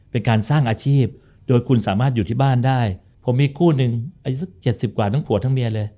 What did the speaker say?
เป็นการสร้างอาชีพโดยคุณสามารถอยู่ที่บ้านได้ผมมีคู่หนึ่งอายุเจ็ดสิบกว่าทั้งผัวทั้งเมียเลย